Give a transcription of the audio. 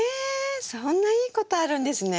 そんないいことあるんですね。